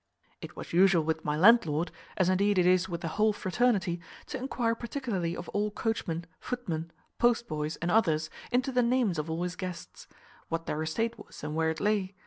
It was usual with my landlord (as indeed it is with the whole fraternity) to enquire particularly of all coachmen, footmen, postboys, and others, into the names of all his guests; what their estate was, and where it lay.